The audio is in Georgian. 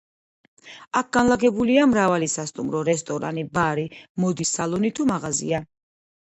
აქ განლაგებულია მრავალი სასტუმრო, რესტორანი, ბარი, მოდის სალონი თუ მაღაზია.